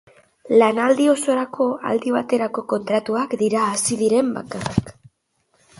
Lanaldi osorako aldi baterako kontratuak dira hazi diren bakarrak.